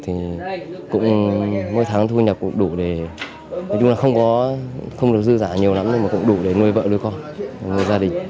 thì mỗi tháng thu nhập cũng đủ để nói chung là không được dư giả nhiều lắm mà cũng đủ để nuôi vợ nuôi con nuôi gia đình